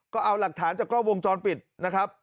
ก็เอาหลักฐานจากกล้องวงจรปิดนะครับ